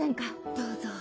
どうぞ。